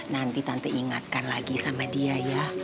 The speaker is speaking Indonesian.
nanti tante ingatkan lagi sama dia ya